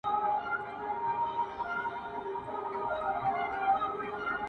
نوم يې کله کله د خلکو په خوله راځي،